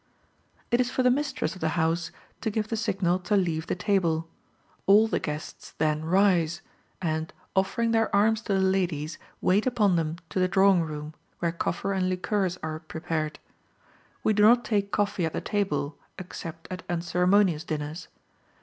It is for the mistress of the house to give the signal to leave the table; all the guests then rise, and, offering their arms to the ladies, wait upon them to the drawing room, where coffee and liqueurs are prepared. We do not take coffee at the table, except at unceremonious dinners.